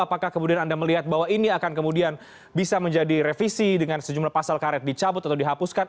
apakah kemudian anda melihat bahwa ini akan kemudian bisa menjadi revisi dengan sejumlah pasal karet dicabut atau dihapuskan